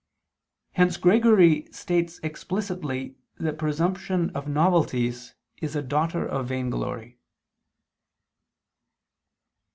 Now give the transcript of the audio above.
Hence Gregory states explicitly that presumption of novelties is a daughter of vainglory.